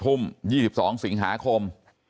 ทุ่ม๒๒สิงหาคม